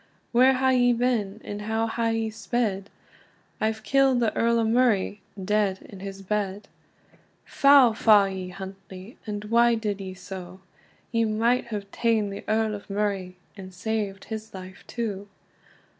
"Where hae ye been? and how hae ye sped?" "I've killed the Earl o Murray dead in his bed." "Foul fa you, Huntly! and why did ye so? You might have taen the Earl o Murray, and saved his life too."